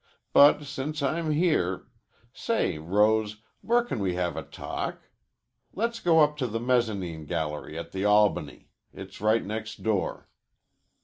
But since I'm here say, Rose, where can we have a talk? Let's go up to the mezzanine gallery at the Albany. It's right next door."